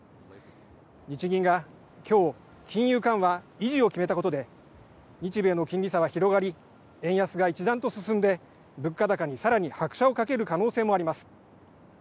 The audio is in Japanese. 日銀が今日金融緩和維持を決めたことで日米の金利差は広がり円安は一段と進んで物価高に更に拍車をかける可能性もあります。